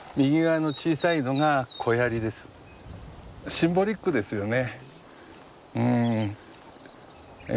シンボリックですよね。